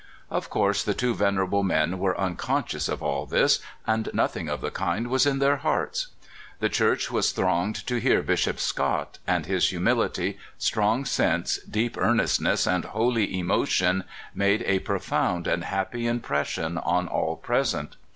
Of course the two venerable men were unconscious of all this, and nothing of the kind was in their hearts. The church was thronged to hear Bishop Scott, and his humilit3% strong sense, deep earnestness, and holv emotion (265) 266 CALIFORNIA SKETCHES. made a profound and happy impression on all present.